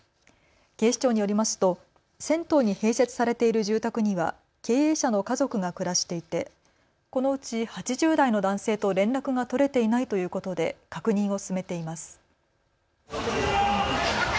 警視庁によりますと銭湯に併設されている住宅には経営者の家族が暮らしていてこのうち８０代の男性と連絡が取れていないということで確認を進めています。